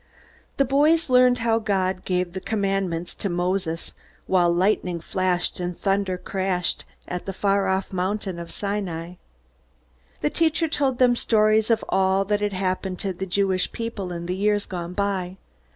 The boys learned how God gave the Commandments to Moses, while lightning flashed and thunder crashed, at the far off mountain of Sinai. The teacher told them stories of all that had happened to the Jewish people in the years gone by.